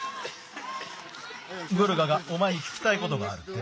グルガがおまえにききたいことがあるって。